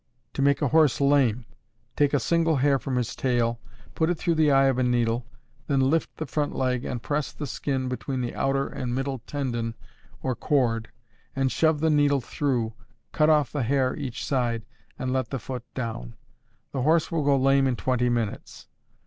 To make a horse lame. Take a single hair from his tail, put it through the eye of a needle, then lift the front leg, and press the skin between the outer and the middle tendon or cord, and shove the needle through, cut off the hair each side and let the foot down; the horse will go lame in twenty minutes.